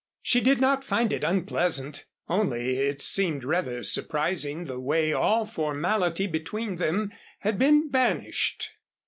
She did not find it unpleasant; only it seemed rather surprising the way all formality between them had been banished.